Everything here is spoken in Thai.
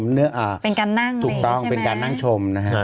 เป็นการนั่งถูกต้องเป็นการนั่งชมนะฮะ